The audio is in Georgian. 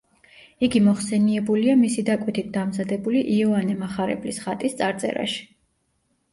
იგი მოხსენიებულია მისი დაკვეთით დამზადებული იოანე მახარებლის ხატის წარწერაში.